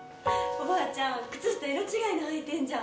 おばあちゃん、靴下色違いの履いてんじゃん！